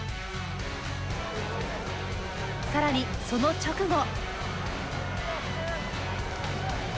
さらに、その直後。